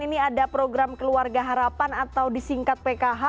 ini ada program keluarga harapan atau disingkat pkh